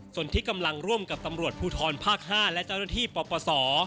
ส่วนที่กำลังร่วมกับตำรวจภูทรภาค๕และเจ้าหน้าที่ปปศ